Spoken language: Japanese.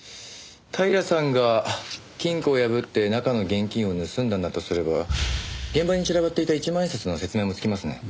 平さんが金庫を破って中の現金を盗んだんだとすれば現場に散らばっていた一万円札の説明もつきますね。